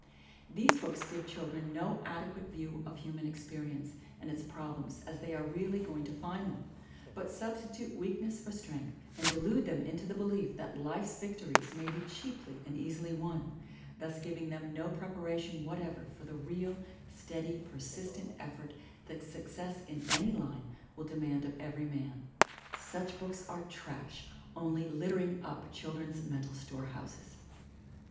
These books give children no ade quate view of human experience and its problems as they are really going to find them, but substitute weakness for strength, and de lude them into the belief that life's victories may be cheaply and easily won, thus giving them no preparation whatever for the real, steady, persistent effort that success in any line will demand of every man. Such books are trash — only littering up children's mental store houses.